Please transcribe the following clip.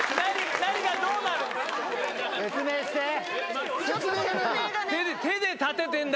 何がどうなのか。